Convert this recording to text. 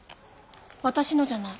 私のじゃない。